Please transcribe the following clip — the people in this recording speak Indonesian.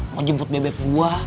mau jemput bebek gue